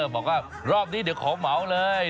บอกว่ารอบนี้เดี๋ยวขอเหมาเลย